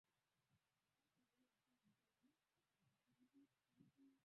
kujiepusha kwa namna yoyote na kuchochea watu